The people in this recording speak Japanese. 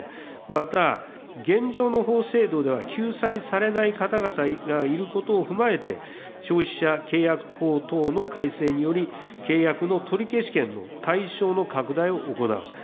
また、現状の法制度では救済されない方々がいることを踏まえて、消費者契約法等の改正により契約の取り消し権の対象の拡大を行う。